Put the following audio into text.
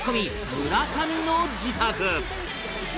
村上の自宅